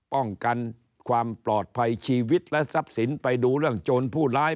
ป้องกันความปลอดภัยชีวิตและทรัพย์สินไปดูเรื่องโจรผู้ร้าย